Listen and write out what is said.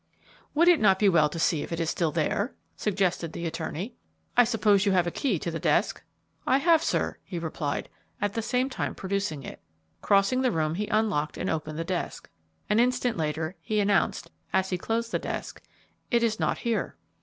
"Would it not be well to see if it is still there?" suggested the attorney. "I suppose you have a key to the desk." "I have, sir," he replied, at the same time producing it. Crossing the room, he unlocked and opened the desk. An instant later, he announced, as he closed the desk, "It is not here."